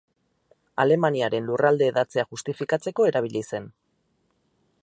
Alemaniaren lurralde-hedatzea justifikatzeko erabili zen.